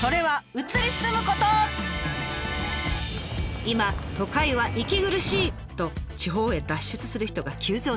それは今都会は息苦しい！と地方へ脱出する人が急増中。